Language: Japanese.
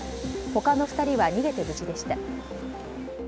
他の２人は逃げて無事でした。